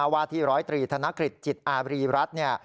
วาที๑๐๓ธนคริสต์จิตอารีรัฐ